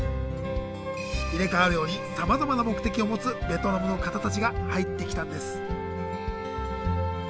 入れ代わるようにさまざまな目的を持つベトナムの方たちが入ってきたんです。